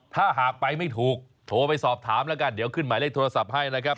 ถ้าหากไปไม่ถูกโทรไปสอบถามแล้วกันเดี๋ยวขึ้นหมายเลขโทรศัพท์ให้นะครับ